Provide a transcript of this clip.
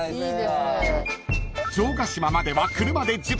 ［城ヶ島までは車で１０分］